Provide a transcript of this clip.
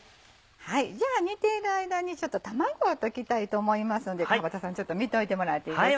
じゃあ煮ている間に卵を溶きたいと思いますので川畑さん見といてもらっていいですか。